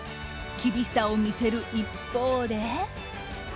厳しさを見せる一方で。